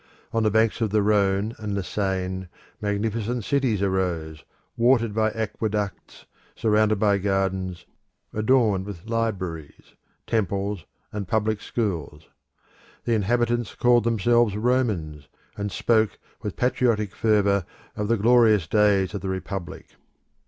On the banks of the Rhone and the Seine magnificent cities arose, watered by aqueducts, surrounded by gardens, adorned with libraries, temples, and public schools. The inhabitants called themselves Romans, and spoke with patriotic fervour of the glorious days of the Republic.